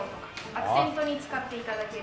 アクセントに使って頂ける。